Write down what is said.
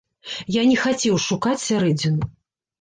Я не хацеў шукаць сярэдзіну.